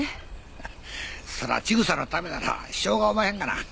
そら千草のためならしょうがおまへんがな。